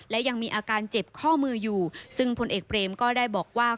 และยังมีอาการเจ็บข้อมืออยู่ซึ่งพลเอกเบรมก็ได้บอกว่า